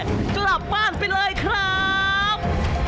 กลับบ้านไปเลยครับ